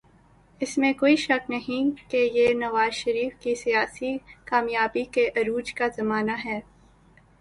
اس میں کوئی شک نہیں کہ یہ نواز شریف کی سیاسی کامیابی کے عروج کا زمانہ ہے۔